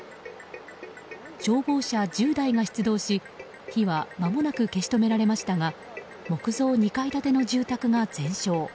消防車１０台が出動し火はまもなく消し止められましたが木造２階建ての住宅が全焼。